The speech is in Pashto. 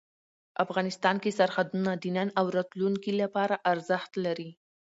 افغانستان کې سرحدونه د نن او راتلونکي لپاره ارزښت لري.